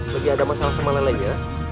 lagi ada masalah sama lele nya